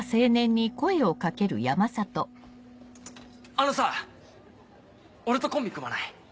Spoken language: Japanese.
あのさ俺とコンビ組まない？